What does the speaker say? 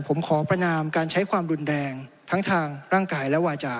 ผมขอประนามการใช้ความรุนแรงทั้งทางร่างกายและวาจา